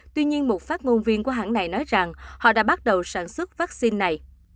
tuy nhiên một phát ngôn viên của hãng này nói rằng họ đã bắt đầu sản xuất vaccine này